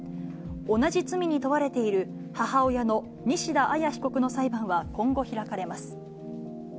同じ罪に問われている母親の西田彩被告の裁判は今後開かれます。